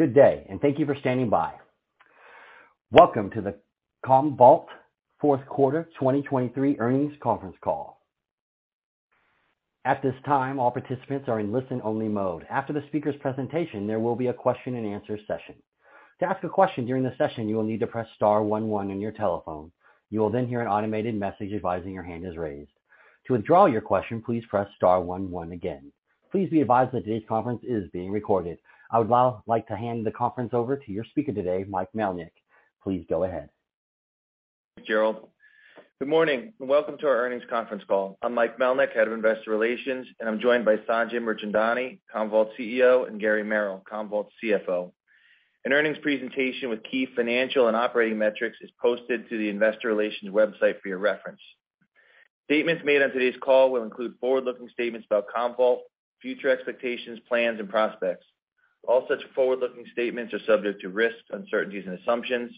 Good day, and thank you for standing by. Welcome to the Commvault Q4 2023 earnings conference call. At this time, all participants are in listen-only mode. After the speaker's presentation, there will be a question-and-answer session. To ask a question during the session, you will need to press star one, one on your telephone. You will then hear an automated message advising your hand is raised. To withdraw your question, please press star one, one again. Please be advised that today's conference is being recorded. I would now like to hand the conference over to your speaker today, Mike Melnyk. Please go ahead. Good morning, welcome to our earnings conference call. I'm Mike Melnyk, Head of Investor Relations, and I'm joined by Sanjay Mirchandani, Commvault CEO, and Gary Merrill, Commvault CFO. An earnings presentation with key financial and operating metrics is posted to the Investor Relations website for your reference. Statements made on today's call will include forward-looking statements about Commvault, future expectations, plans, and prospects. All such forward-looking statements are subject to risks, uncertainties, and assumptions.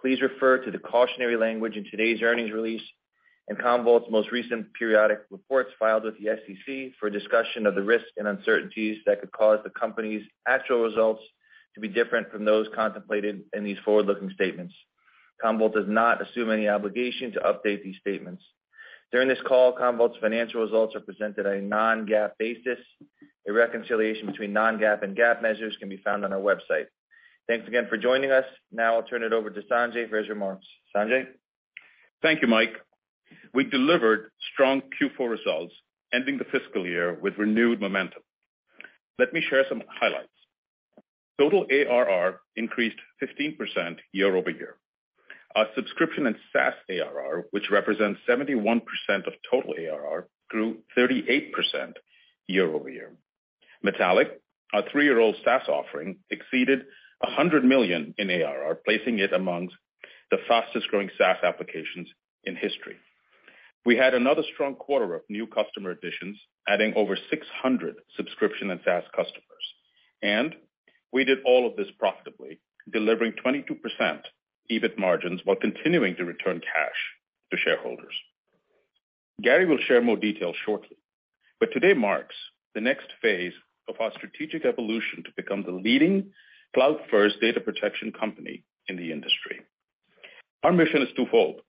Please refer to the cautionary language in today's earnings release and Commvault's most recent periodic reports filed with the SEC for a discussion of the risks and uncertainties that could cause the company's actual results to be different from those contemplated in these forward-looking statements. Commvault does not assume any obligation to update these statements. During this call, Commvault's financial results are presented on a non-GAAP basis. A reconciliation between non-GAAP and GAAP measures can be found on our website. Thanks again for joining us. I'll turn it over to Sanjay for his remarks. Sanjay? Thank you, Mike. We delivered strong Q4 results, ending the fiscal year with renewed momentum. Let me share some highlights. Total ARR increased 15% year-over-year. Our subscription and SaaS ARR, which represents 71% of total ARR, grew 38% year-over-year. Metallic, our three year old SaaS offering, exceeded $100 million in ARR, placing it amongst the fastest-growing SaaS applications in history. We had another strong quarter of new customer additions, adding over 600 subscription and SaaS customers. We did all of this profitably, delivering 22% EBIT margins while continuing to return cash to shareholders. Gary will share more details shortly, today marks the next phase of our strategic evolution to become the leading cloud-first data protection company in the industry. Our mission is twofold.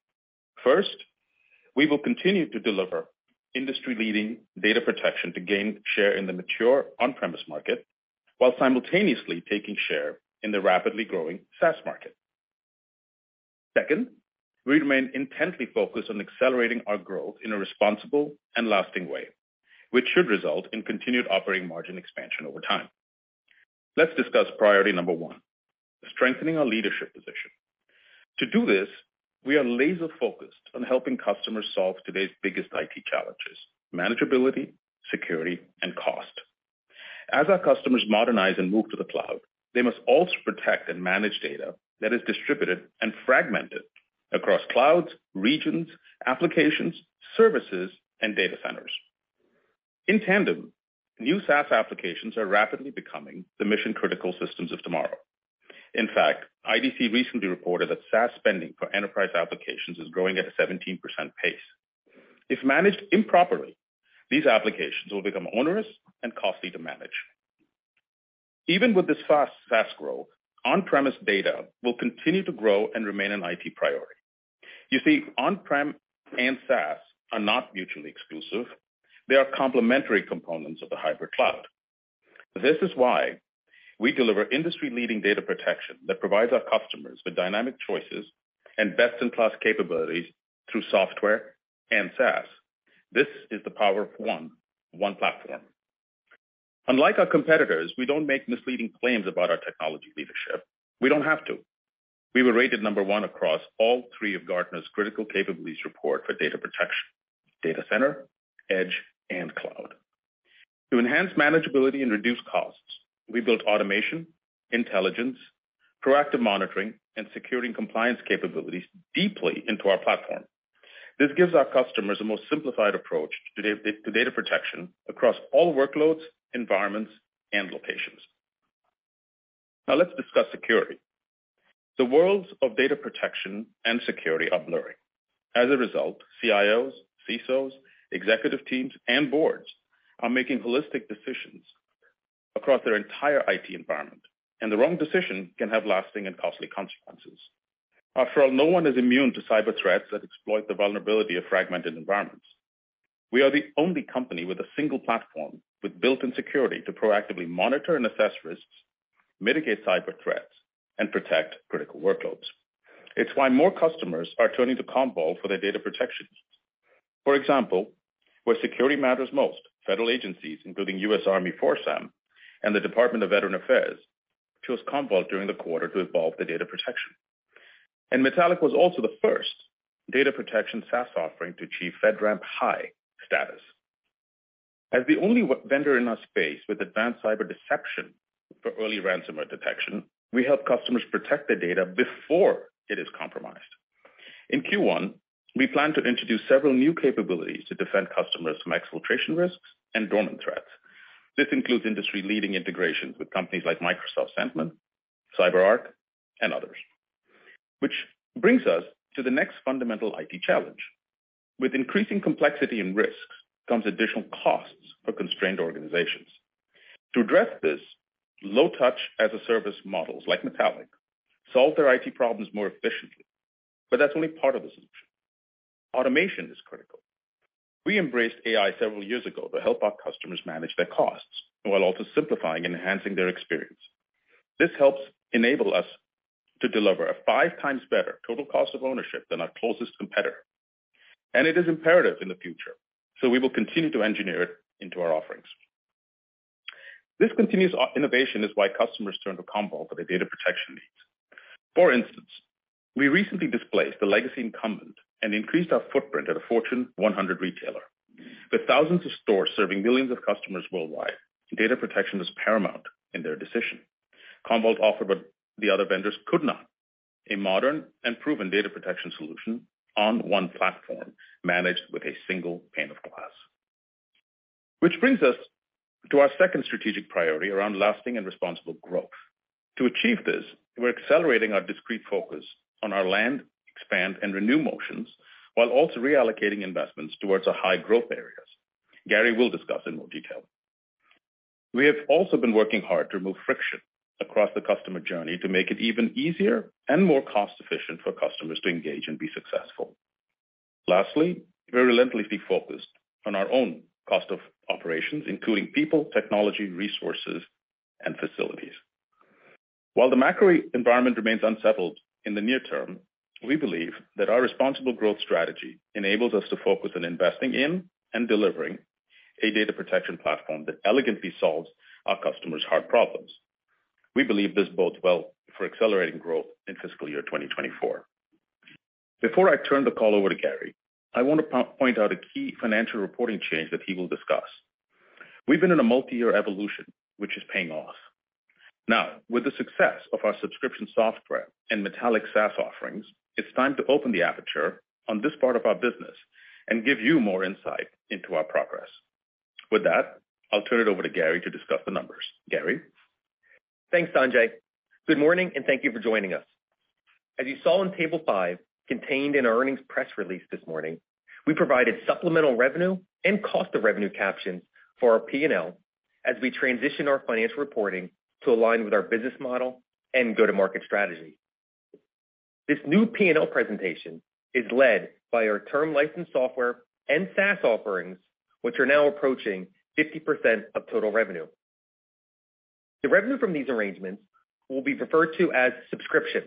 We will continue to deliver industry-leading data protection to gain share in the mature on-premise market while simultaneously taking share in the rapidly growing SaaS market. We remain intently focused on accelerating our growth in a responsible and lasting way, which should result in continued operating margin expansion over time. Let's discuss priority number one: strengthening our leadership position. To do this, we are laser-focused on helping customers solve today's biggest IT challenges: manageability, security, and cost. As our customers modernize and move to the cloud, they must also protect and manage data that is distributed and fragmented across clouds, regions, applications, services, and data centers. In tandem, new SaaS applications are rapidly becoming the mission-critical systems of tomorrow. IDC recently reported that SaaS spending for enterprise applications is growing at a 17% pace. If managed improperly, these applications will become onerous and costly to manage. Even with this fast SaaS growth, on-premise data will continue to grow and remain an IT priority. You see, on-prem and SaaS are not mutually exclusive. They are complementary components of the hybrid cloud. This is why we deliver industry-leading data protection that provides our customers with dynamic choices and best-in-class capabilities through software and SaaS. This is the power of one platform. Unlike our competitors, we don't make misleading claims about our technology leadership. We don't have to. We were rated number one across all three of Gartner's critical capabilities report for data protection: data center, edge, and cloud. To enhance manageability and reduce costs, we built automation, intelligence, proactive monitoring, and security and compliance capabilities deeply into our platform. This gives our customers a more simplified approach to data protection across all workloads, environments, and locations. Let's discuss security. The worlds of data protection and security are blurring. As a result, CIOs, CSOs, executive teams, and boards are making holistic decisions across their entire IT environment, and the wrong decision can have lasting and costly consequences. After all, no one is immune to cyber threats that exploit the vulnerability of fragmented environments. We are the only company with a single platform with built-in security to proactively monitor and assess risks, mitigate cyber threats, and protect critical workloads. It's why more customers are turning to Commvault for their data protection. For example, where security matters most, federal agencies, including US Army FORSCOM and the Department of Veterans Affairs, chose Commvault during the quarter to evolve their data protection. Metallic was also the first data protection SaaS offering to achieve FedRAMP high status. As the only vendor in our space with advanced cyber deception for early ransomware detection, we help customers protect their data before it is compromised. In Q1, we plan to introduce several new capabilities to defend customers from exfiltration risks and dormant threats. This includes industry-leading integrations with companies like Microsoft Sentinel, CyberArk, and others, which brings us to the next fundamental IT challenge. With increasing complexity and risk comes additional costs for constrained organizations. To address this, low touch as-a-service models like Metallic solve their IT problems more efficiently. That's only part of the solution. Automation is critical. We embraced AI several years ago to help our customers manage their costs while also simplifying and enhancing their experience. This helps enable us to deliver a 5x better total cost of ownership than our closest competitor, and it is imperative in the future, so we will continue to engineer it into our offerings. This continuous innovation is why customers turn to Commvault for their data protection needs. For instance, we recently displaced a legacy incumbent and increased our footprint at a Fortune 100 retailer. With thousands of stores serving millions of customers worldwide, data protection is paramount in their decision. Commvault offered what the other vendors could not: a modern and proven data protection solution on one platform managed with a single pane of glass. Which brings us to our second strategic priority around lasting and responsible growth. To achieve this, we're accelerating our discrete focus on our land, expand and renew motions while also reallocating investments towards our high growth areas. Gary will discuss in more detail. We have also been working hard to remove friction across the customer journey to make it even easier and more cost efficient for customers to engage and be successful. Lastly, we relentlessly focused on our own cost of operations, including people, technology, resources, and facilities. While the macro environment remains unsettled in the near term, we believe that our responsible growth strategy enables us to focus on investing in and delivering a data protection platform that elegantly solves our customers' hard problems. We believe this bodes well for accelerating growth in fiscal year 2024. Before I turn the call over to Gary, I want to point out a key financial reporting change that he will discuss. We've been in a multi-year evolution, which is paying off. With the success of our subscription software and Metallic SaaS offerings, it's time to open the aperture on this part of our business and give you more insight into our progress. With that, I'll turn it over to Gary to discuss the numbers. Gary? Thanks, Sanjay. Good morning, and thank you for joining us. As you saw in table five, contained in our earnings press release this morning, we provided supplemental revenue and cost of revenue captions for our P&L as we transition our financial reporting to align with our business model and go-to-market strategy. This new P&L presentation is led by our term licensed software and SaaS offerings, which are now approaching 50% of total revenue. The revenue from these arrangements will be referred to as subscription,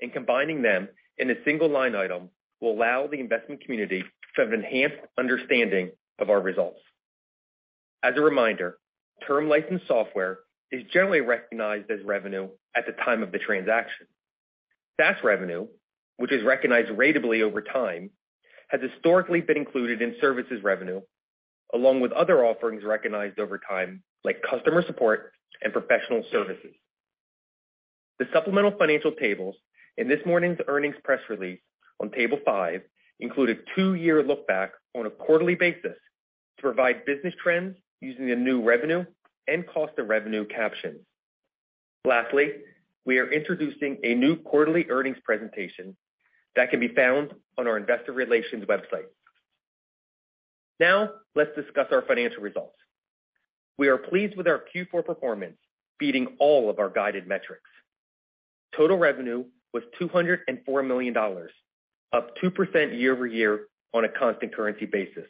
and combining them in a single line item will allow the investment community to have enhanced understanding of our results. As a reminder, term licensed software is generally recognized as revenue at the time of the transaction. SaaS revenue, which is recognized ratably over time, has historically been included in services revenue, along with other offerings recognized over time, like customer support and professional services. The supplemental financial tables in this morning's earnings press release on table five include a two year look-back on a quarterly basis to provide business trends using the new revenue and cost of revenue captions. Lastly, we are introducing a new quarterly earnings presentation that can be found on our investor relations website. Now, let's discuss our financial results. We are pleased with our Q4 performance, beating all of our guided metrics. Total revenue was $204 million, up 2% year-over-year on a constant currency basis.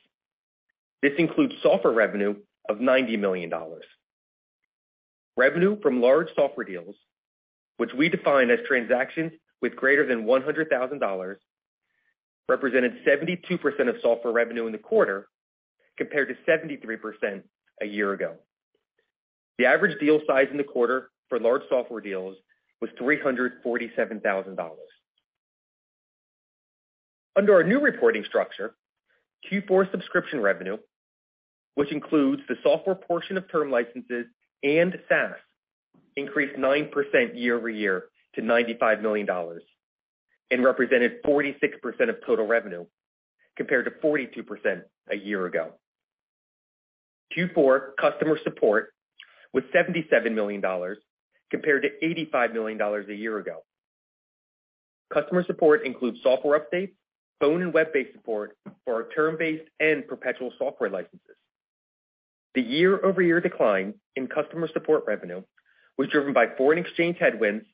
This includes software revenue of $90 million. Revenue from large software deals, which we define as transactions with greater than $100,000, represented 72% of software revenue in the quarter compared to 73% a year ago. The average deal size in the quarter for large software deals was $347,000. Under our new reporting structure, Q4 subscription revenue, which includes the software portion of term licenses and SaaS, increased 9% year-over-year to $95 million and represented 46% of total revenue, compared to 42% a year ago. Q4 customer support was $77 million compared to $85 million a year ago. Customer support includes software updates, phone, and web-based support for our term-based and perpetual software licenses. The year-over-year decline in customer support revenue was driven by foreign exchange headwinds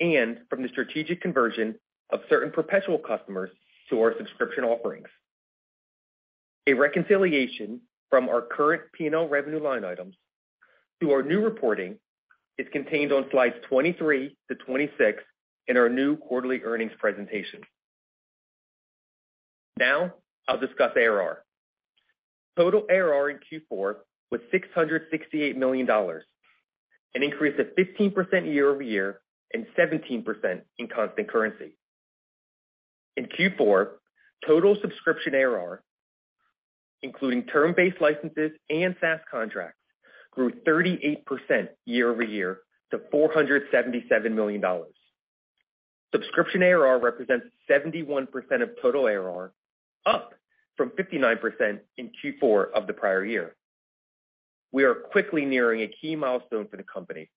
and from the strategic conversion of certain perpetual customers to our subscription offerings. A reconciliation from our current P&L revenue line items to our new reporting is contained on slides 23 to 26 in our new quarterly earnings presentation. I'll discuss ARR. Total ARR in Q4 was $668 million, an increase of 15% year-over-year and 17% in constant currency. In Q4, total subscription ARR, including term-based licenses and SaaS contracts, grew 38% year-over-year to $477 million. Subscription ARR represents 71% of total ARR, up from 59% in Q4 of the prior year. We are quickly nearing a key milestone for the company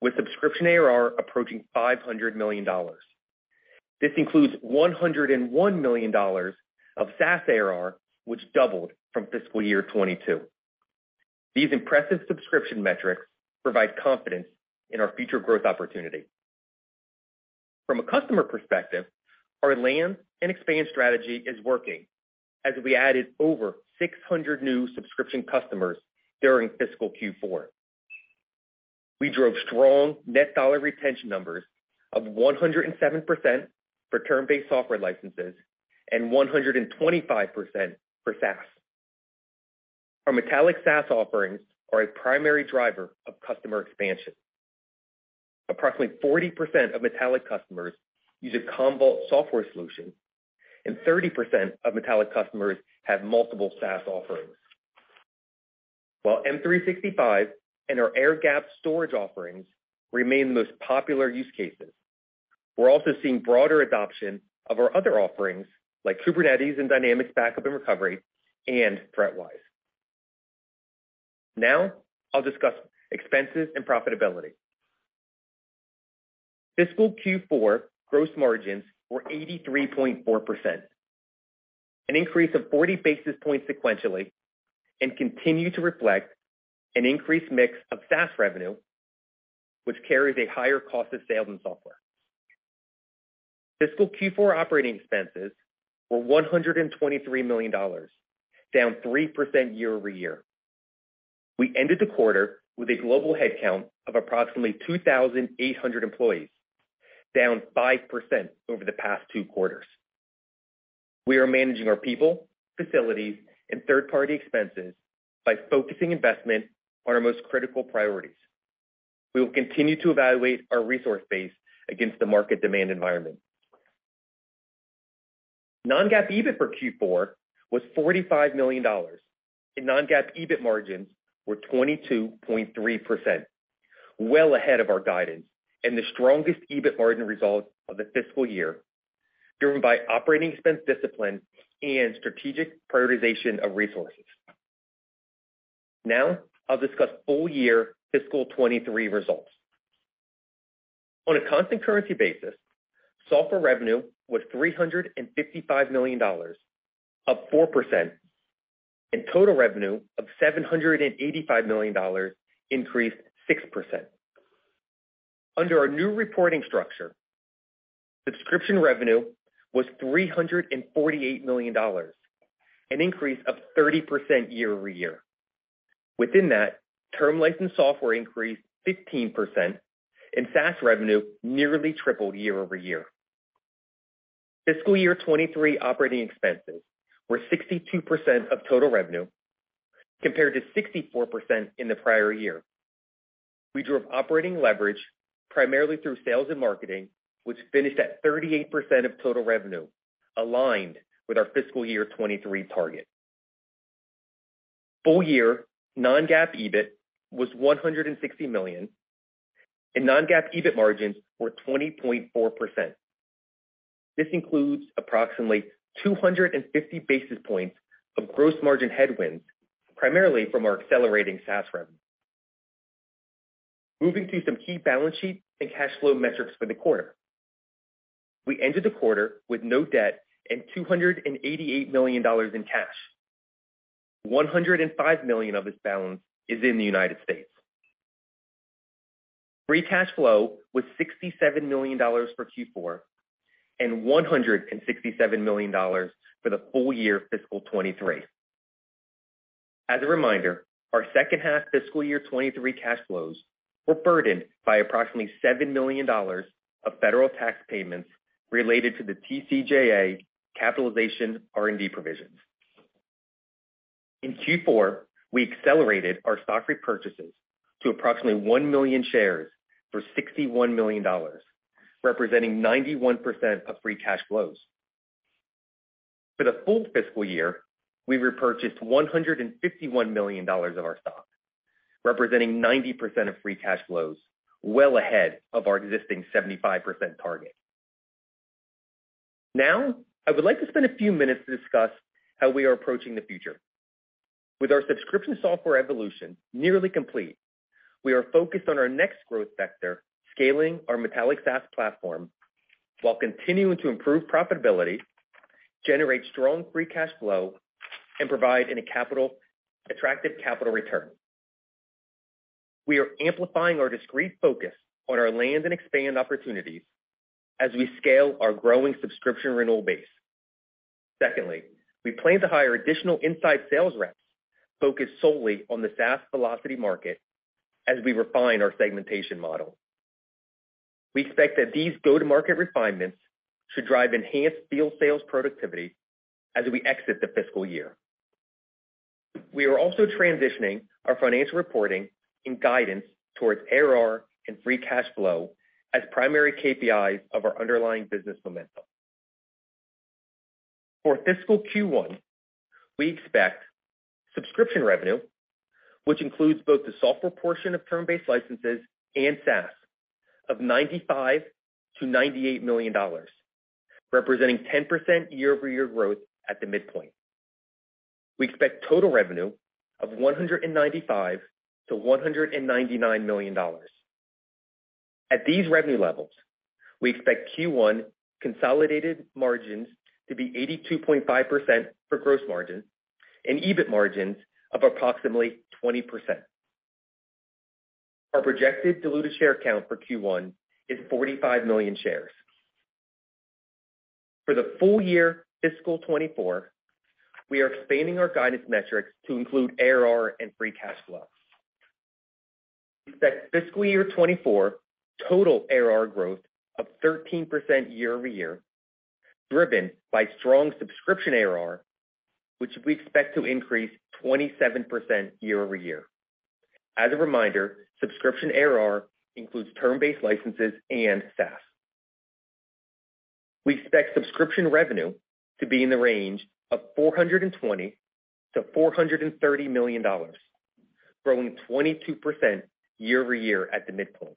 with subscription ARR approaching $500 million. This includes $101 million of SaaS ARR, which doubled from fiscal year 2022. These impressive subscription metrics provide confidence in our future growth opportunity. From a customer perspective, our land and expand strategy is working as we added over 600 new subscription customers during fiscal Q4. We drove strong net dollar retention numbers of 107% for term-based software licenses and 125% for SaaS. Our Metallic SaaS offerings are a primary driver of customer expansion. Approximately 40% of Metallic customers use a Commvault software solution, and 30% of Metallic customers have multiple SaaS offerings. While M365 and our air gap storage offerings remain the most popular use cases, we're also seeing broader adoption of our other offerings like Kubernetes and Dynamics Backup and Recovery and ThreatWise. I'll discuss expenses and profitability. Fiscal Q4 gross margins were 83.4%, an increase of 40 basis points sequentially, and continue to reflect an increased mix of SaaS revenue, which carries a higher cost of sales than software. Fiscal Q4 operating expenses were $123 million, down 3% year-over-year. We ended the quarter with a global headcount of approximately 2,800 employees, down 5% over the past two quarters. We are managing our people, facilities, and third-party expenses by focusing investment on our most critical priorities. We will continue to evaluate our resource base against the market demand environment. non-GAAP EBIT for Q4 was $45 million and non-GAAP EBIT margins were 22.3%, well ahead of our guidance and the strongest EBIT margin result of the fiscal year, driven by operating expense discipline and strategic prioritization of resources. I'll discuss full year fiscal 2023 results. On a constant currency basis, software revenue was $355 million, up 4%, and total revenue of $785 million increased 6%. Under our new reporting structure, subscription revenue was $348 million, an increase of 30% year-over-year. Within that, term licensed software increased 15% and SaaS revenue nearly tripled year-over-year. Fiscal year 2023 operating expenses were 62% of total revenue compared to 64% in the prior year. We drove operating leverage primarily through sales and marketing, which finished at 38% of total revenue, aligned with our fiscal year 2023 target. Full year non-GAAP EBIT was $160 million and non-GAAP EBIT margins were 20.4%. This includes approximately 250 basis points of gross margin headwinds, primarily from our accelerating SaaS revenue. Moving to some key balance sheet and cash flow metrics for the quarter. We ended the quarter with no debt and $288 million in cash. $105 million of this balance is in the United States. Free cash flow was $67 million for Q4 and $167 million for the full year fiscal 2023. As a reminder, our second half fiscal year 2023 cash flows were burdened by approximately $7 million of federal tax payments related to the TCJA capitalization R&D provisions. In Q4, we accelerated our stock repurchases to approximately 1 million shares for $61 million, representing 91% of free cash flows. For the full fiscal year, we repurchased $151 million of our stock, representing 90% of free cash flows, well ahead of our existing 75% target. I would like to spend a few minutes to discuss how we are approaching the future. With our subscription software evolution nearly complete, we are focused on our next growth vector, scaling our Metallic SaaS platform while continuing to improve profitability, generate strong free cash flow, and provide attractive capital return. We are amplifying our discrete focus on our land and expand opportunities as we scale our growing subscription renewal base. Secondly, we plan to hire additional inside sales reps focused solely on the SaaS velocity market as we refine our segmentation model. We expect that these go-to-market refinements should drive enhanced field sales productivity as we exit the fiscal year. We are also transitioning our financial reporting and guidance towards ARR and free cash flow as primary KPIs of our underlying business momentum. For fiscal Q1, we expect subscription revenue, which includes both the software portion of term-based licenses and SaaS of $95 million-$98 million. Representing 10% year-over-year growth at the midpoint. We expect total revenue of $195 million-$199 million. At these revenue levels, we expect Q1 consolidated margins to be 82.5% for gross margin and EBIT margins of approximately 20%. Our projected diluted share count for Q1 is 45 million shares. For the full year fiscal 2024, we are expanding our guidance metrics to include ARR and free cash flow. We expect fiscal year 2024 total ARR growth of 13% year-over-year, driven by strong subscription ARR, which we expect to increase 27% year-over-year. As a reminder, subscription ARR includes term-based licenses and SaaS. We expect subscription revenue to be in the range of $420 million-$430 million, growing 22% year-over-year at the midpoint.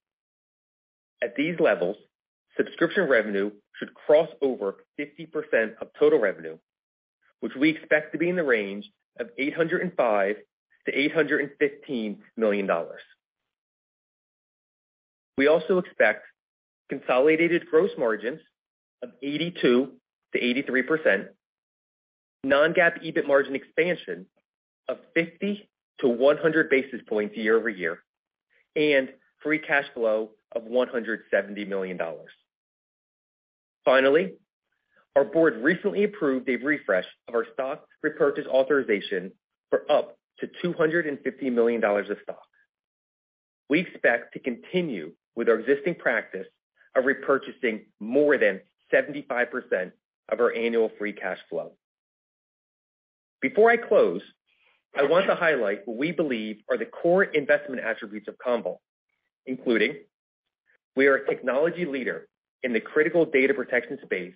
At these levels, subscription revenue should cross over 50% of total revenue, which we expect to be in the range of $805 million-$815 million. We also expect consolidated gross margins of 82%-83%, non-GAAP EBIT margin expansion of 50-100 basis points year-over-year, and free cash flow of $170 million. Finally, our board recently approved a refresh of our stock repurchase authorization for up to $250 million of stock. We expect to continue with our existing practice of repurchasing more than 75% of our annual free cash flow. Before I close, I want to highlight what we believe are the core investment attributes of Commvault, including we are a technology leader in the critical data protection space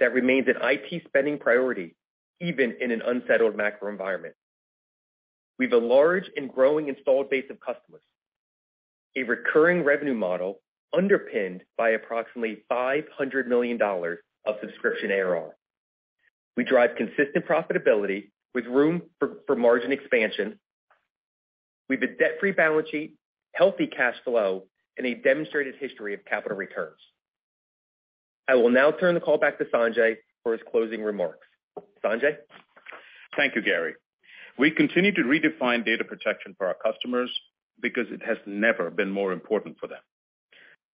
that remains an IT spending priority even in an unsettled macro environment. We have a large and growing installed base of customers, a recurring revenue model underpinned by approximately $500 million of subscription ARR. We drive consistent profitability with room for margin expansion. We have a debt-free balance sheet, healthy cash flow, and a demonstrated history of capital returns. I will now turn the call back to Sanjay for his closing remarks. Sanjay? Thank you, Gary. We continue to redefine data protection for our customers because it has never been more important for them.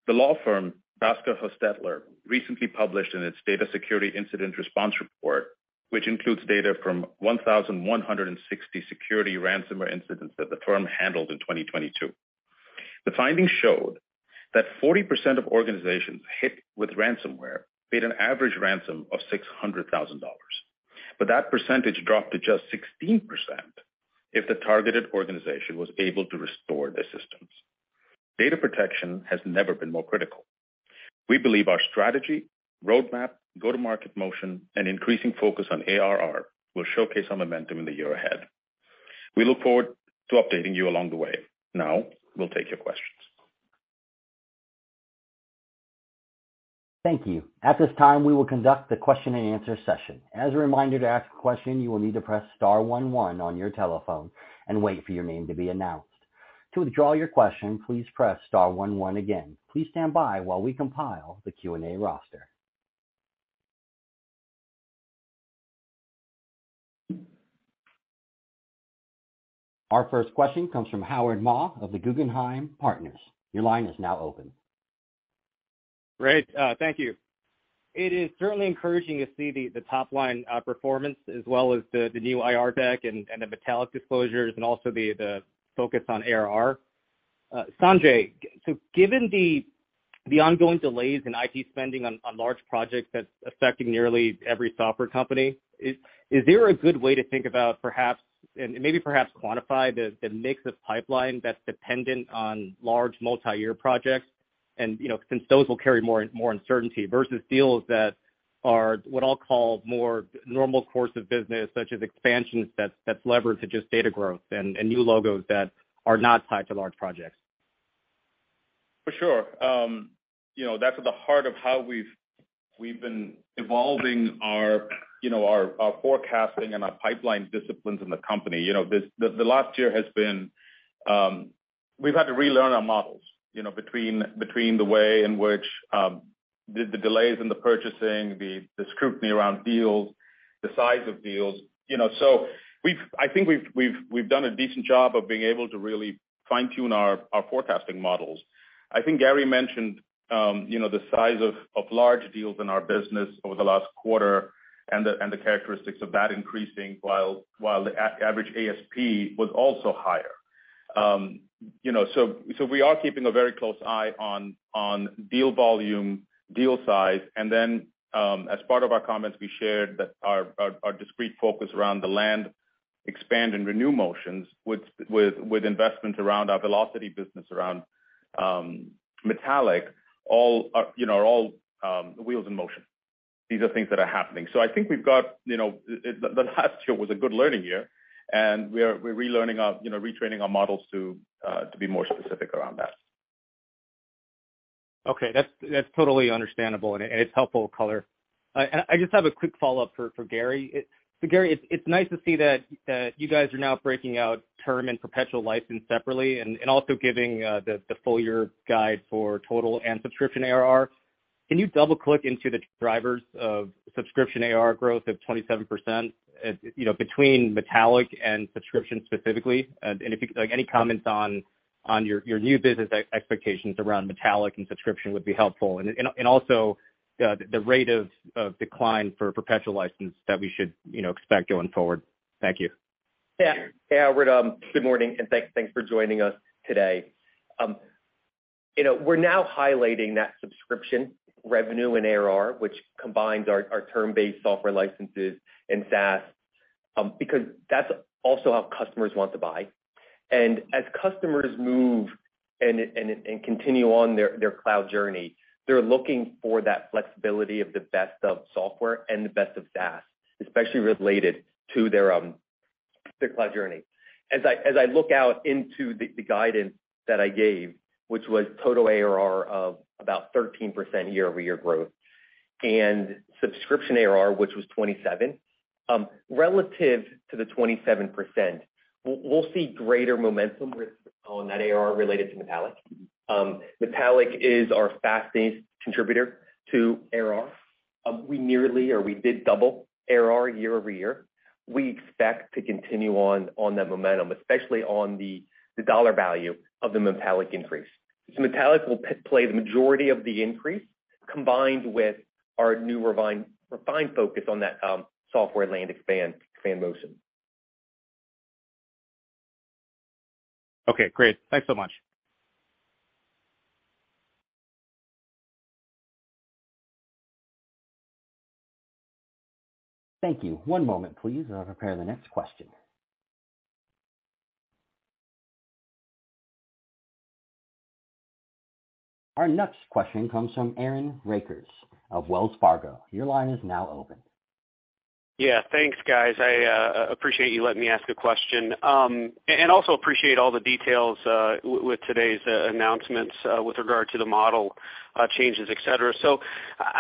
The law firm BakerHostetler recently published in its Data Security Incident Response report, which includes data from 1,160 security ransomware incidents that the firm handled in 2022. The findings showed that 40% of organizations hit with ransomware paid an average ransom of $600,000, but that percentage dropped to just 16% if the targeted organization was able to restore their systems. Data protection has never been more critical. We believe our strategy, roadmap, go-to-market motion, and increasing focus on ARR will showcase our momentum in the year ahead. We look forward to updating you along the way. Now, we'll take your questions. Thank you. At this time, we will conduct the question-and-answer session. As a reminder, to ask a question, you will need to press star one, one on your telephone and wait for your name to be announced. To withdraw your question, please press star one, one again. Please stand by while we compile the Q&A roster. Our first question comes from Howard Ma of the Guggenheim Securities. Your line is now open. Great. Thank you. It is certainly encouraging to see the top-line performance as well as the new IR deck and the Metallic disclosures and also the focus on ARR. Sanjay, so given the ongoing delays in IT spending on large projects that's affecting nearly every software company, is there a good way to think about perhaps and maybe perhaps quantify the mix of pipeline that's dependent on large multi-year projects? You know, since those will carry more uncertainty versus deals that are what I'll call more normal course of business, such as expansions that's levered to just data growth and new logos that are not tied to large projects. For sure. You know, that's at the heart of how we've been evolving our, you know, our forecasting and our pipeline disciplines in the company. You know, the last year has been. We've had to relearn our models, you know, between the way in which the delays in the purchasing, the scrutiny around deals, the size of deals, you know. I think we've done a decent job of being able to really fine-tune our forecasting models. I think Gary mentioned, you know, the size of large deals in our business over the last quarter and the characteristics of that increasing while the average ASP was also higher. You know, we are keeping a very close eye on deal volume, deal size. As part of our comments, we shared that our discrete focus around the land, expand and renew motions with investments around our velocity business, around Metallic, all, you know, are all wheels in motion. These are things that are happening. I think we've got, you know, the last year was a good learning year, and we're relearning our, you know, retraining our models to be more specific around that. Okay, that's totally understandable and it's helpful color. I just have a quick follow-up for Gary. Gary, it's nice to see that you guys are now breaking out term and perpetual license separately and also giving the full year guide for total and subscription ARR. Can you double-click into the drivers of subscription ARR growth of 27%, you know, between Metallic and subscription specifically? If you like any comments on your new business expectations around Metallic and subscription would be helpful. Also, the rate of decline for perpetual license that we should, you know, expect going forward. Thank you. Hey, Howard. Good morning. Thanks for joining us today. You know, we're now highlighting that subscription revenue and ARR, which combines our term-based software licenses and SaaS, because that's also how customers want to buy. As customers move and continue on their cloud journey, they're looking for that flexibility of the best of software and the best of SaaS, especially related to their cloud journey. As I look out into the guidance that I gave, which was total ARR of about 13% year-over-year growth and subscription ARR, which was 27%. Relative to the 27%, we'll see greater momentum on that ARR related to Metallic. Metallic is our fastest contributor to ARR. We did double ARR year over year. We expect to continue on that momentum, especially on the dollar value of the Metallic increase. Metallic will play the majority of the increase combined with our new refined focus on that, software land expand motion. Okay, great. Thanks so much. Thank you. One moment, please, as I prepare the next question. Our next question comes from Aaron Rakers of Wells Fargo. Your line is now open. Yeah, thanks, guys. I appreciate you letting me ask a question. I also appreciate all the details with today's announcements with regard to the model changes, et cetera.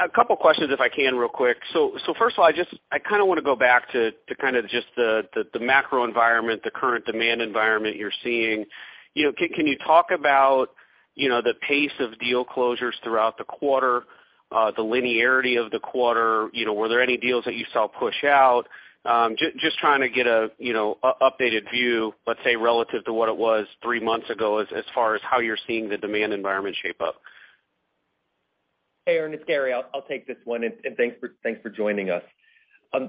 A couple of questions, if I can, real quick. First of all, I kinda wanna go back to kinda just the macro environment, the current demand environment you're seeing. You know, can you talk about, you know, the pace of deal closures throughout the quarter, the linearity of the quarter? You know, were there any deals that you saw push out? Just trying to get a, you know, updated view, let's say, relative to what it was three months ago as far as how you're seeing the demand environment shape up. Hey, Aaron, it's Gary. I'll take this one, and thanks for joining us. You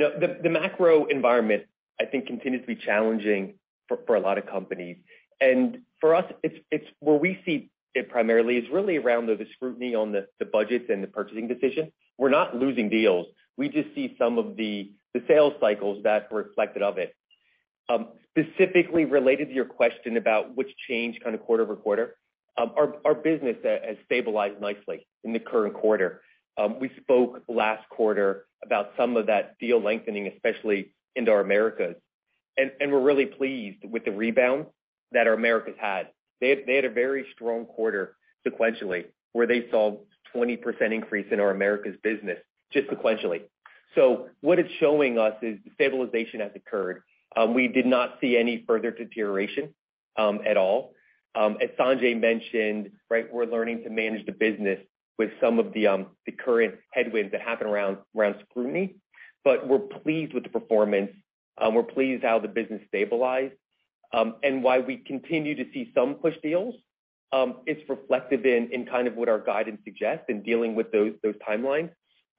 know, the macro environment, I think continues to be challenging for a lot of companies. For us, it's where we see it primarily is really around the scrutiny on the budgets and the purchasing decisions. We're not losing deals. We just see some of the sales cycles that reflected of it. Specifically related to your question about what's changed on a quarter-over-quarter, our business has stabilized nicely in the current quarter. We spoke last quarter about some of that deal lengthening, especially into our Americas. We're really pleased with the rebound that our Americas had. They had a very strong quarter sequentially, where they saw 20% increase in our Americas business just sequentially. What it's showing us is stabilization has occurred. We did not see any further deterioration, at all. As Sanjay mentioned, right, we're learning to manage the business with some of the current headwinds that happen around scrutiny. We're pleased with the performance. We're pleased how the business stabilized. While we continue to see some push deals, it's reflective in kind of what our guidance suggests in dealing with those timelines.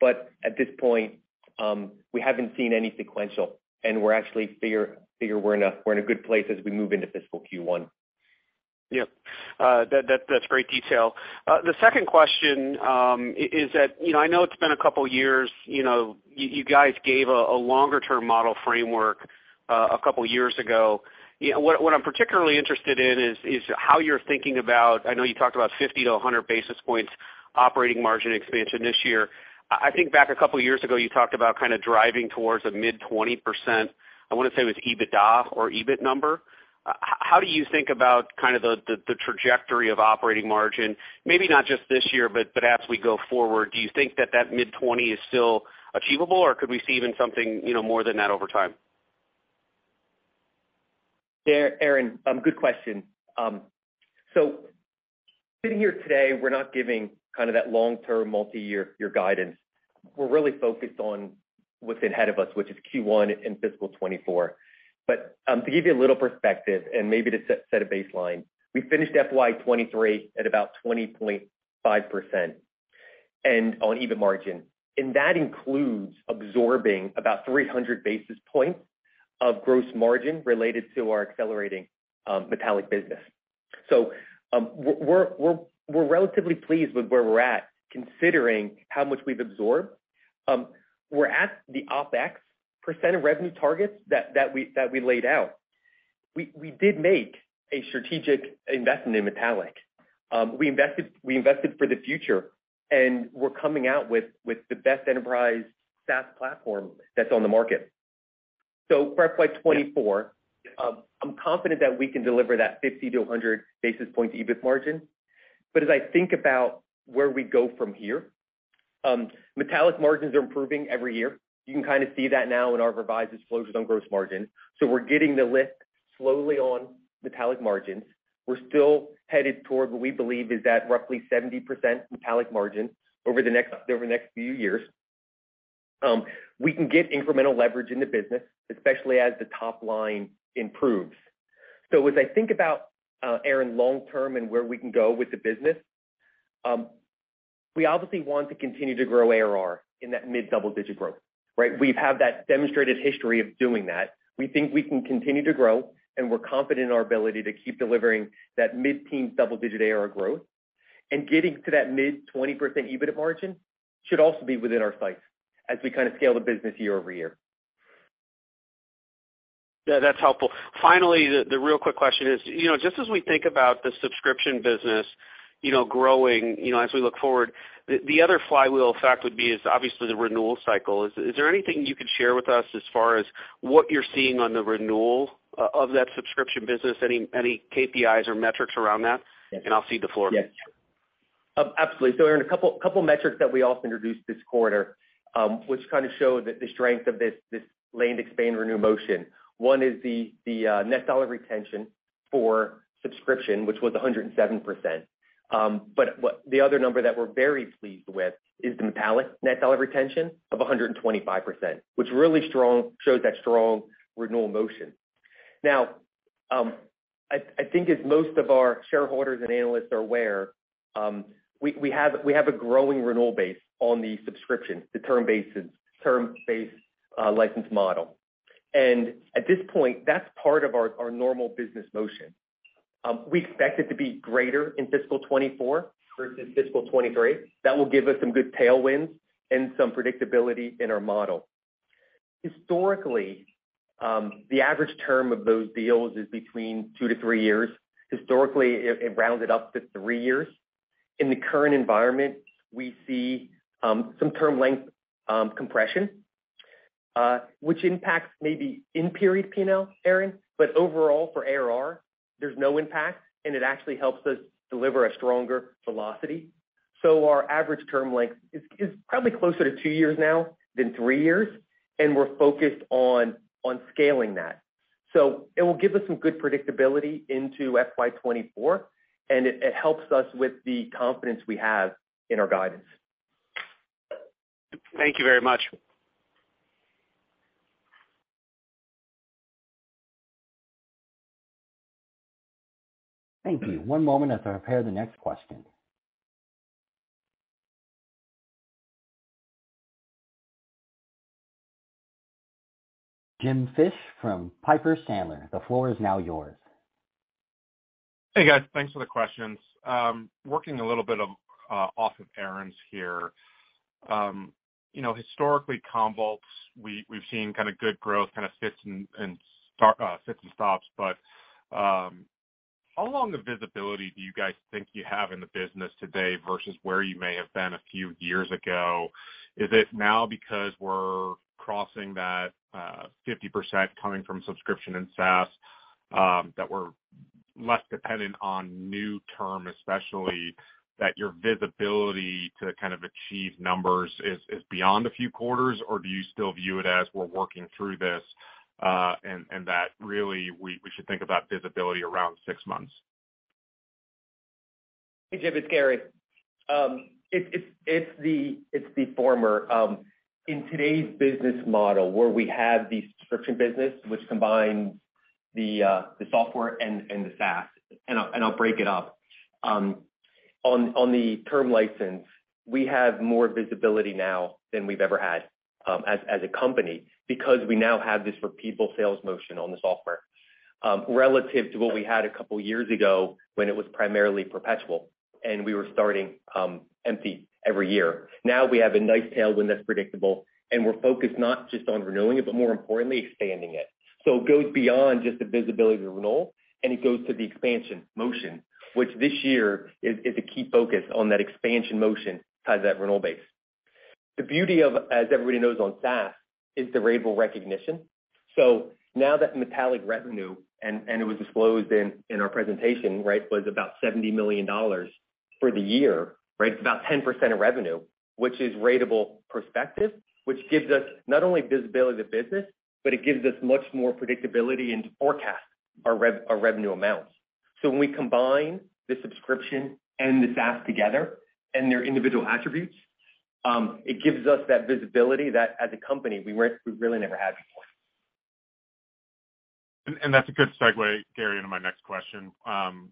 At this point, we haven't seen any sequential, and we're actually figure we're in a good place as we move into fiscal Q1. Yep. That's great detail. The second question is that, you know, I know it's been a couple of years, you guys gave a longer-term model framework a couple of years ago. You know, what I'm particularly interested in is how you're thinking about, I know you talked about 50 to 100 basis points operating margin expansion this year. I think back a couple of years ago, you talked about kind of driving towards a mid-20%, I want to say it was EBITDA or EBIT number. How do you think about kind of the trajectory of operating margin? Maybe not just this year, but as we go forward. Do you think that mid-20 is still achievable, or could we see even something, you know, more than that over time? Yeah, Aaron, good question. Sitting here today, we're not giving kind of that long-term multi-year guidance. We're really focused on what's ahead of us, which is Q1 in fiscal 2024. To give you a little perspective and maybe to set a baseline, we finished FY 2023 at about 20.5% and on EBIT margin. That includes absorbing about 300 basis points of gross margin related to our accelerating Metallic business. We're relatively pleased with where we're at, considering how much we've absorbed. We're at the OpEx percent of revenue targets that we laid out. We did make a strategic investment in Metallic. We invested for the future, and we're coming out with the best enterprise SaaS platform that's on the market. For FY 2024, I'm confident that we can deliver that 50-100 basis point EBIT margin. As I think about where we go from here, Metallic margins are improving every year. You can kind of see that now in our revised disclosures on gross margin. We're getting the lift slowly on Metallic margins. We're still headed toward what we believe is that roughly 70% Metallic margin over the next few years. We can get incremental leverage in the business, especially as the top line improves. As I think about, Aaron, long term and where we can go with the business, we obviously want to continue to grow ARR in that mid double-digit growth, right? We've had that demonstrated history of doing that. We think we can continue to grow, and we're confident in our ability to keep delivering that mid-teen double-digit ARR growth. Getting to that mid 20% EBIT margin should also be within our sights as we kind of scale the business year-over-year. Yeah, that's helpful. Finally, the real quick question is, you know, just as we think about the subscription business, you know, growing, you know, as we look forward, the other flywheel effect would be is obviously the renewal cycle. Is there anything you could share with us as far as what you're seeing on the renewal of that subscription business? Any KPIs or metrics around that? Yes. I'll cede the floor. Yes. Absolutely. There are a couple metrics that we also introduced this quarter, which kind of show the strength of this land expand renew motion. One is the net dollar retention for subscription, which was 107%. The other number that we're very pleased with is the Metallic net dollar retention of 125%, which shows that strong renewal motion. I think as most of our shareholders and analysts are aware, we have a growing renewal base on the subscription, the term-based license model. At this point, that's part of our normal business motion. We expect it to be greater in fiscal 2024 versus fiscal 2023. That will give us some good tailwinds and some predictability in our model. Historically, the average term of those deals is between two to three years. Historically, it rounded up to 3 years. In the current environment, we see some term length compression, which impacts maybe in period P&L, Aaron, but overall for ARR, there's no impact, and it actually helps us deliver a stronger velocity. Our average term length is probably closer to two years now than three years, and we're focused on scaling that. It will give us some good predictability into FY 2024, and it helps us with the confidence we have in our guidance. Thank you very much. Thank you. One moment as I prepare the next question. Jim Fish from Piper Sandler, the floor is now yours. Hey, guys. Thanks for the questions. working a little bit off of Aaron's here. you know, historically Commvault, we've seen kind of good growth, kind of fits and fits and stops. How long of visibility do you guys think you have in the business today versus where you may have been a few years ago? Is it now because we're crossing that 50% coming from subscription and SaaS, that we're less dependent on new term, especially that your visibility to kind of achieve numbers is beyond a few quarters? Do you still view it as we're working through this, and that really we should think about visibility around six months? Hey, Jim, it's Gary. It's the former. In today's business model, where we have the subscription business, which combines the software and the SaaS, and I'll break it up. On the term license, we have more visibility now than we've ever had as a company because we now have this repeatable sales motion on the software relative to what we had a couple years ago when it was primarily perpetual and we were starting empty every year. Now we have a nice tailwind that's predictable, and we're focused not just on renewing it, but more importantly, expanding it. It goes beyond just the visibility of the renewal, and it goes to the expansion motion, which this year is a key focus on that expansion motion inside that renewal base. The beauty of, as everybody knows on SaaS, is the ratable recognition. Now that Metallic revenue, and it was disclosed in our presentation, right, was about $70 million for the year, right? It's about 10% of revenue, which is ratable perspective, which gives us not only visibility to business, but it gives us much more predictability and to forecast our revenue amounts. When we combine the subscription and the SaaS together and their individual attributes, it gives us that visibility that as a company we really never had before. That's a good segue, Gary, into my next question.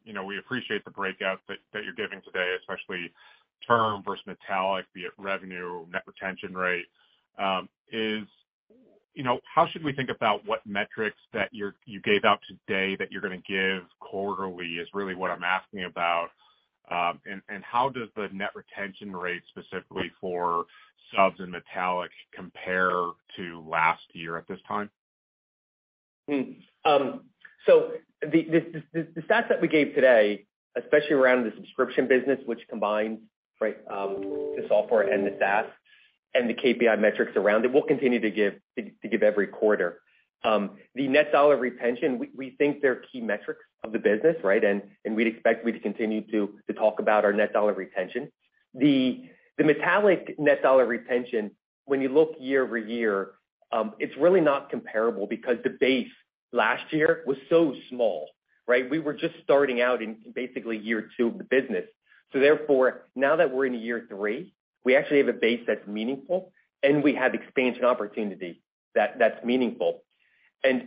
You know, we appreciate the breakout that you're giving today, especially term versus Metallic, be it revenue, net retention rate. You know, how should we think about what metrics that you gave out today that you're gonna give quarterly, is really what I'm asking about. And how does the net retention rate specifically for subs and Metallic compare to last year at this time? The stats that we gave today, especially around the subscription business which combines, right, the software and the SaaS and the KPI metrics around it, we'll continue to give every quarter. The net dollar retention, we think they're key metrics of the business, right? We'd expect we to continue to talk about our net dollar retention. The Metallic net dollar retention, when you look year-over-year, it's really not comparable because the base last year was so small, right? We were just starting out in basically year two of the business. Therefore, now that we're in year three, we actually have a base that's meaningful, and we have expansion opportunity that's meaningful.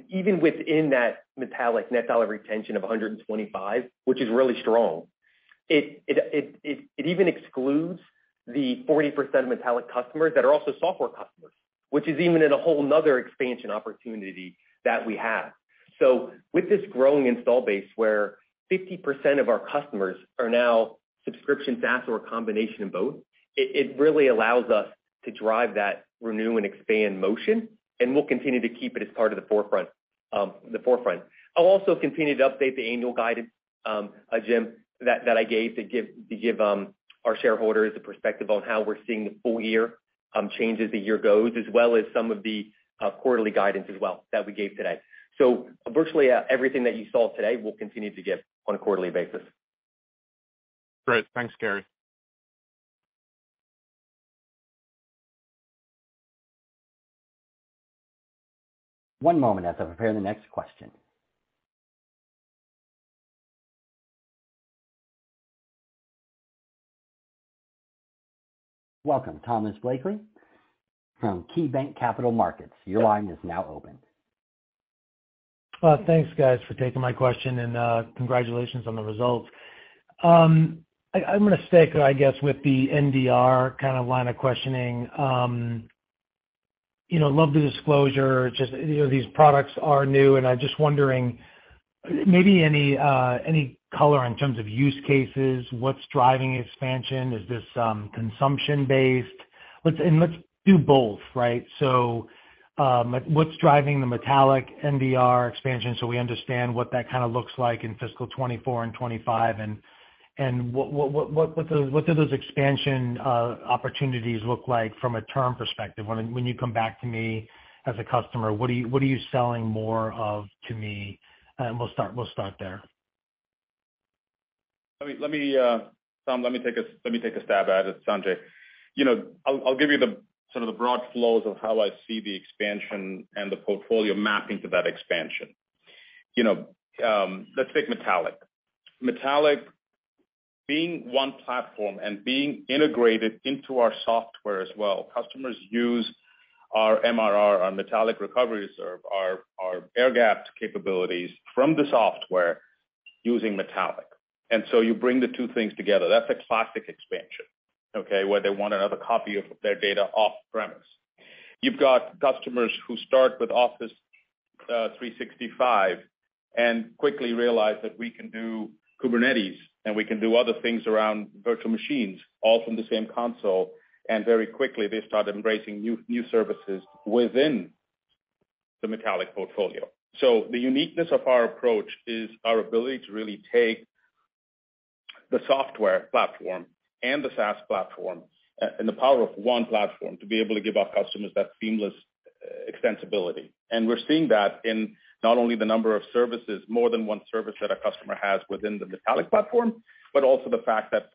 Even within that Metallic net dollar retention of 125%, which is really strong, it even excludes the 40% Metallic customers that are also software customers, which is even in a whole nother expansion opportunity that we have. With this growing install base where 50% of our customers are now subscription SaaS or a combination of both, it really allows us to drive that renew and expand motion, and we'll continue to keep it as part of the forefront, the forefront. I'll also continue to update the annual guidance, Jim, that I gave our shareholders a perspective on how we're seeing the full year change as the year goes, as well as some of the quarterly guidance as well that we gave today. Virtually everything that you saw today, we'll continue to give on a quarterly basis. Great. Thanks, Gary. One moment as I prepare the next question. Welcome Tom Blakey from KeyBanc Capital Markets. Your line is now open. Thanks guys for taking my question and congratulations on the results. I'm gonna stick, I guess, with the NDR kind of line of questioning. You know, love the disclosure, just, you know, these products are new, and I'm just wondering maybe any color in terms of use cases, what's driving expansion? Is this consumption-based? Let's do both, right? What's driving the Metallic NDR expansion, so we understand what that kinda looks like in fiscal 2024 and 2025. What do those expansion opportunities look like from a term perspective? When you come back to me as a customer, what are you selling more of to me? We'll start there. Tom, let me take a stab at it, Sanjay. You know, I'll give you the sort of the broad flows of how I see the expansion and the portfolio mapping to that expansion. You know, let's take Metallic. Metallic being one platform and being integrated into our software as well, customers use our MRR, our Metallic Recovery Reserve, our air gap capabilities from the software using Metallic. You bring the two things together. That's a classic expansion, okay? Where they want another copy of their data off-premise. You've got customers who start with Office 365 and quickly realize that we can do Kubernetes, and we can do other things around virtual machines, all from the same console, and very quickly they start embracing new services within the Metallic portfolio. The uniqueness of our approach is our ability to really take the software platform and the SaaS platform and the power of one platform to be able to give our customers that seamless extensibility. We're seeing that in not only the number of services, more than one service that a customer has within the Metallic platform, but also the fact that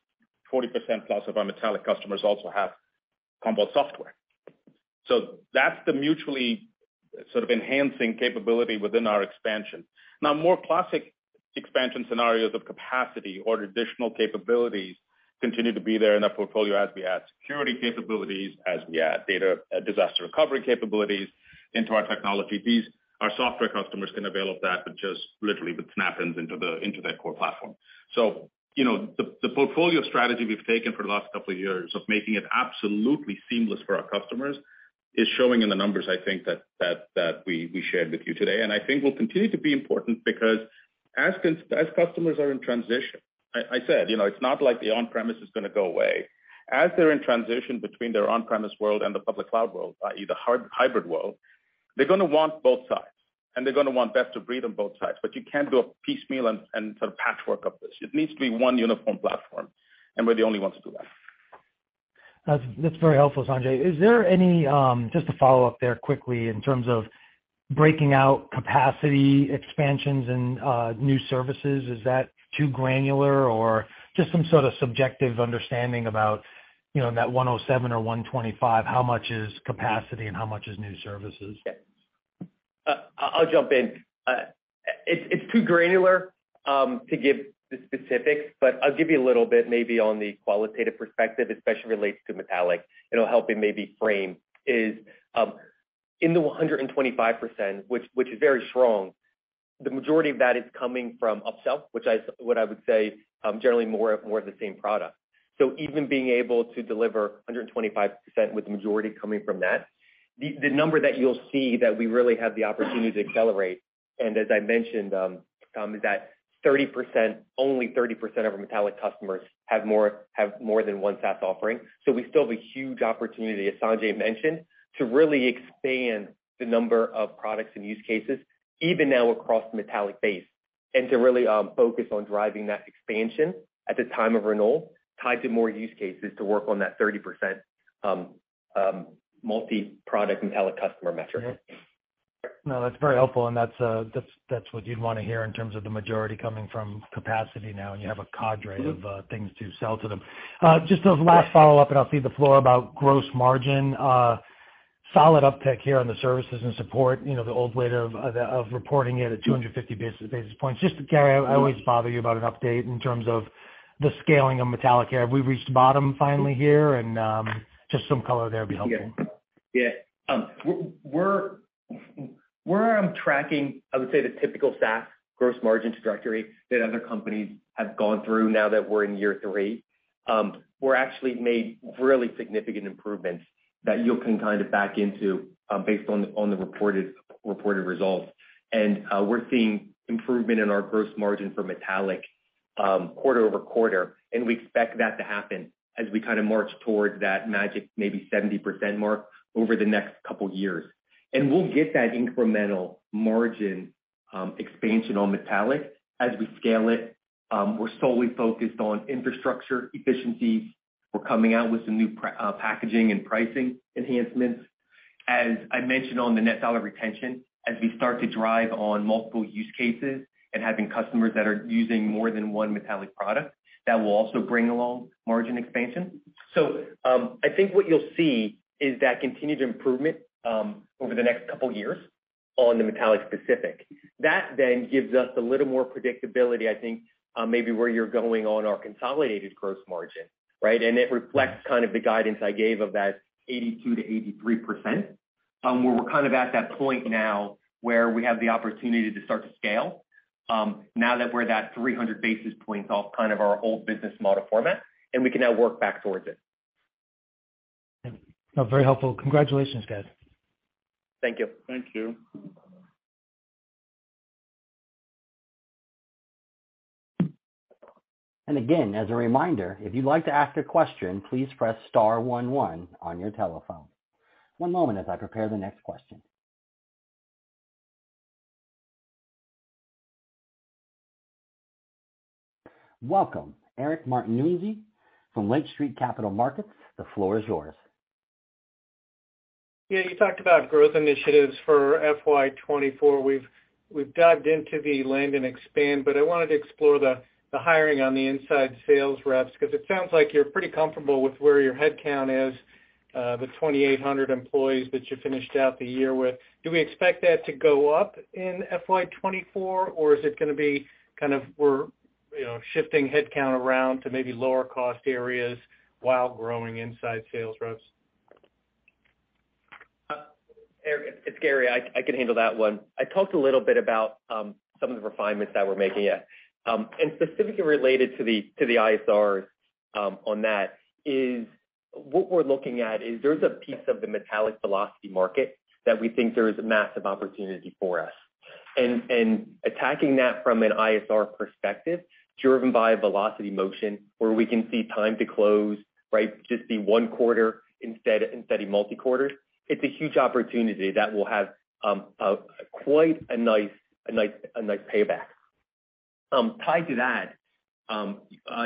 40% plus of our Metallic customers also have Commvault software. That's the mutually sort of enhancing capability within our expansion. More classic expansion scenarios of capacity or additional capabilities continue to be there in our portfolio as we add security capabilities, as we add data, disaster recovery capabilities into our technology. These are software customers can avail of that with just literally with snap-ins into their core platform. You know, the portfolio strategy we've taken for the last couple of years of making it absolutely seamless for our customers is showing in the numbers, I think that we shared with you today. I think will continue to be important because as customers are in transition, I said, you know, it's not like the on-premise is gonna go away. As they're in transition between their on-premise world and the public cloud world, i.e., the hybrid world, they're gonna want both sides, and they're gonna want best of breed on both sides. You can't do a piecemeal and sort of patchwork of this. It needs to be one uniform platform, and we're the only ones to do that. That's very helpful, Sanjay. Just to follow up there quickly in terms of breaking out capacity expansions and new services, is that too granular or just some sort of subjective understanding about, you know, that 107 or 125, how much is capacity and how much is new services? Yeah. I'll jump in. It's too granular to give the specifics, but I'll give you a little bit maybe on the qualitative perspective, especially relates to Metallic. It'll help in maybe frame is, in the 125%, which is very strong, the majority of that is coming from upsell, what I would say, generally more of the same product. Even being able to deliver 125% with the majority coming from that, the number that you'll see that we really have the opportunity to accelerate, as I mentioned, Tom, is that 30%, only 30% of our Metallic customers have more than one SaaS offering. We still have a huge opportunity, as Sanjay mentioned, to really expand the number of products and use cases even now across the Metallic base. To really focus on driving that expansion at the time of renewal, tied to more use cases to work on that 30% multi-product Metallic customer metric. No, that's very helpful. That's, that's what you'd wanna hear in terms of the majority coming from capacity now, and you have a cadre of things to sell to them. Just those last follow-up, and I'll cede the floor about gross margin. Solid uptick here on the services and support, you know, the old way of reporting it at 250 basis points. Just Gary, I always bother you about an update in terms of the scaling of Metallic here. Have we reached bottom finally here? Just some color there would be helpful. Yeah. We're tracking, I would say the typical SaaS gross margin trajectory that other companies have gone through now that we're in year three. We're actually made really significant improvements that you can kind of back into, based on the reported results. We're seeing improvement in our gross margin for Metallic quarter-over-quarter, and we expect that to happen as we kinda march towards that magic, maybe 70% mark over the next couple years. We'll get that incremental margin expansion on Metallic as we scale it. We're solely focused on infrastructure efficiencies. We're coming out with some new packaging and pricing enhancements. As I mentioned on the net dollar retention, as we start to drive on multiple use cases and having customers that are using more than one Metallic product, that will also bring along margin expansion. I think what you'll see is that continued improvement over the next couple years on the Metallic specific. That gives us a little more predictability, I think, maybe where you're going on our consolidated gross margin, right? It reflects kind of the guidance I gave of that 82%-83%, where we're kind of at that point now where we have the opportunity to start to scale, now that we're that 300 basis points off kind of our old business model format, and we can now work back towards it. No, very helpful. Congratulations, guys. Thank you. Thank you. Again, as a reminder, if you'd like to ask a question, please press star one, one on your telephone. One moment as I prepare the next question. Welcome, Eric Martinuzzi from Lake Street Capital Markets. The floor is yours. Yeah, you talked about growth initiatives for FY 2024. We've dived into the land and expand, but I wanted to explore the hiring on the inside sales reps, 'cause it sounds like you're pretty comfortable with where your headcount is, the 2,800 employees that you finished out the year with. Do we expect that to go up in FY 2024, or is it gonna be kind of we're, you know, shifting headcount around to maybe lower cost areas while growing inside sales reps? Eric, it's Gary. I can handle that one. I talked a little bit about some of the refinements that we're making. Specifically related to the ISRs, on that is what we're looking at is there's a piece of the Metallic Velocity market that we think there is a massive opportunity for us. Attacking that from an ISR perspective, driven by a velocity motion where we can see time to close, right, just be one quarter instead of multi quarters, it's a huge opportunity that will have quite a nice payback. Tied to that,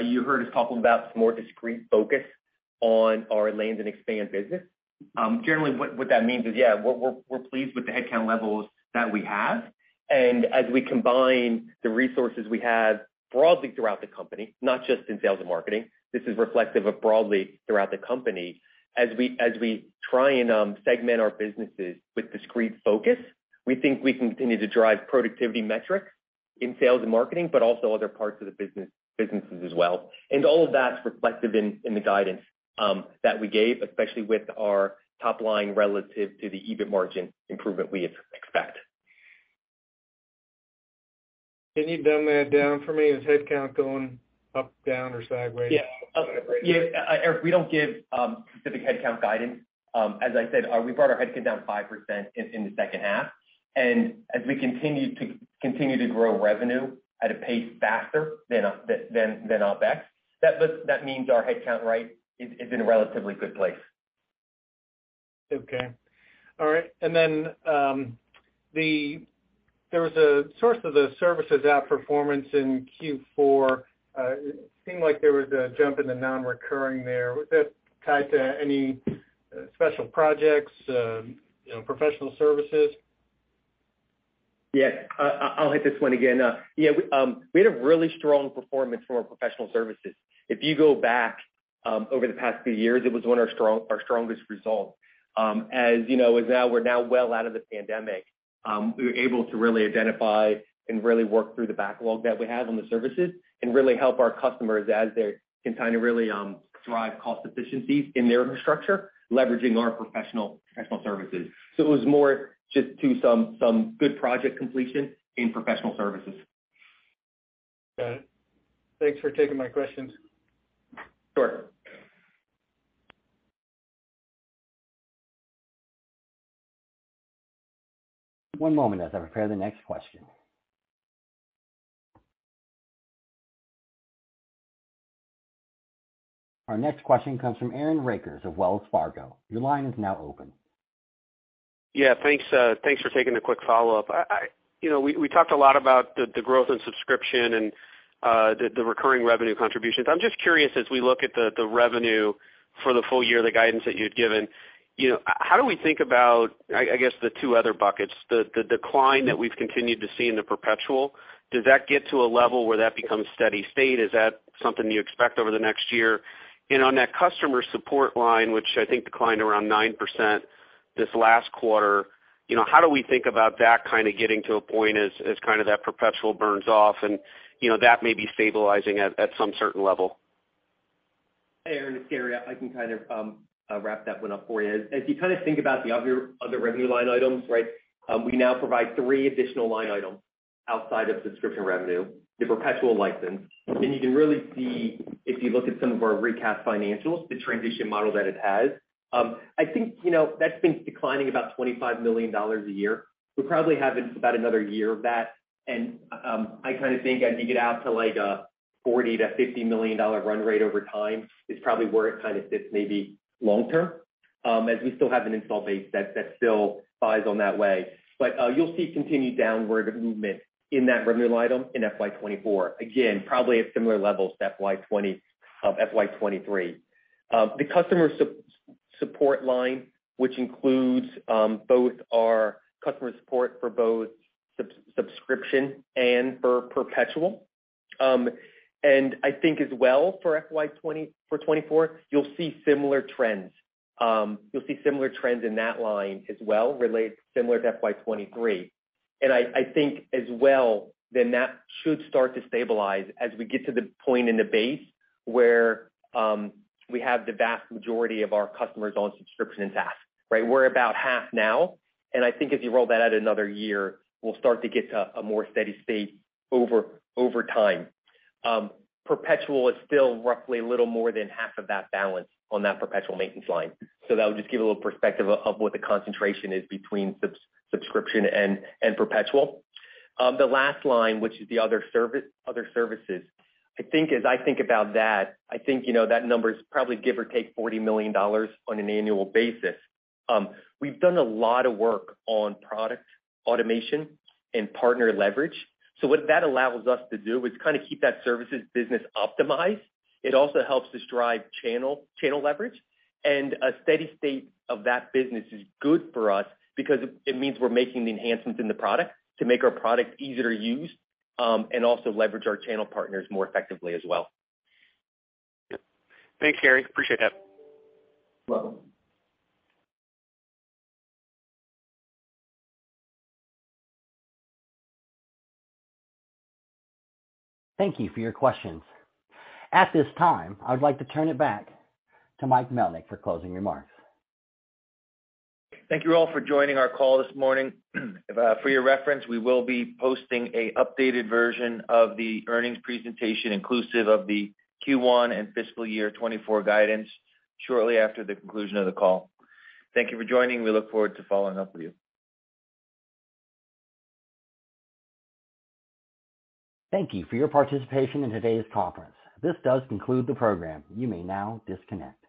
you heard us talking about some more discreet focus on our lands and expand business. Generally, what that means is, yeah, we're pleased with the headcount levels that we have. As we combine the resources we have broadly throughout the company, not just in sales and marketing, this is reflective of broadly throughout the company. As we try and segment our businesses with discrete focus, we think we can continue to drive productivity metrics in sales and marketing, but also other parts of the businesses as well. All of that's reflective in the guidance that we gave, especially with our top line relative to the EBIT margin improvement we expect. Can you dumb that down for me? Is headcount going up, down or sideways? Yeah. Yeah, Eric, we don't give specific headcount guidance. As I said, we brought our headcount down 5% in the second half. As we continue to grow revenue at a pace faster than OpEx, that means our headcount rate is in a relatively good place. Okay. All right. There was a source of the services outperformance in Q4. It seemed like there was a jump in the non-recurring there. Was that tied to any special projects, you know, professional services? Yeah. I'll hit this one again. We had a really strong performance from our professional services. If you go back over the past few years, it was one of our strongest results. As you know, as now we're now well out of the pandemic, we were able to really identify and really work through the backlog that we had on the services and really help our customers as they can kinda really drive cost efficiencies in their infrastructure, leveraging our professional services. It was more just to some good project completion in professional services. Got it. Thanks for taking my questions. Sure. One moment as I prepare the next question. Our next question comes from Aaron Rakers of Wells Fargo. Your line is now open. Yeah, thanks for taking the quick follow-up. You know, we talked a lot about the growth in subscription and the recurring revenue contributions. I'm just curious, as we look at the revenue for the full year, the guidance that you'd given, you know, how do we think about, I guess the two other buckets, the decline that we've continued to see in the perpetual, does that get to a level where that becomes steady state? Is that something you expect over the next year? On that customer support line, which I think declined around 9% this last quarter, you know, how do we think about that kind of getting to a point as kind of that perpetual burns off and, you know, that may be stabilizing at some certain level? Hey, Aaron, it's Gary. I can kind of wrap that one up for you. If you kinda think about the other revenue line items, right? We now provide three additional line items outside of subscription revenue, the perpetual license. You can really see, if you look at some of our recast financials, the transition model that it has. I think, you know, that's been declining about $25 million a year. We probably have about another year of that. I kinda think as you get out to, like, a $40 million-$50 million run rate over time is probably where it kinda sits maybe long term, as we still have an install base that still buys on that way. You'll see continued downward movement in that revenue item in FY 2024. Probably at similar levels to FY 2023. The customer support line, which includes both our customer support for both subscription and for perpetual. I think as well for 2024, you'll see similar trends. You'll see similar trends in that line as well related similar to FY 2023. I think as well that should start to stabilize as we get to the point in the base where we have the vast majority of our customers on subscription and SaaS. Right? We're about half now. I think as you roll that out another year, we'll start to get to a more steady state over time. Perpetual is still roughly a little more than half of that balance on that perpetual maintenance line. That would just give a little perspective of what the concentration is between sub-subscription and perpetual. The last line, which is the other services, I think as I think about that, I think, you know, that number's probably give or take $40 million on an annual basis. We've done a lot of work on product automation and partner leverage. What that allows us to do is kinda keep that services business optimized. It also helps us drive channel leverage. A steady state of that business is good for us because it means we're making the enhancements in the product to make our product easier to use, and also leverage our channel partners more effectively as well. Yep. Thanks, Gary. Appreciate that. Welcome. Thank you for your questions. At this time, I would like to turn it back to Mike Melnyk for closing remarks. Thank you all for joining our call this morning. For your reference, we will be posting a updated version of the earnings presentation inclusive of the Q1 and fiscal year 2024 guidance shortly after the conclusion of the call. Thank you for joining. We look forward to following up with you. Thank you for your participation in today's conference. This does conclude the program. You may now disconnect.